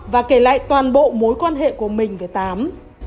và kể lại toàn bộ mối quan hệ của mình với tám